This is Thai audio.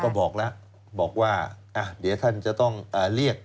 ก็บอกแล้วบอกว่าเดี๋ยวท่านจะต้องเรียก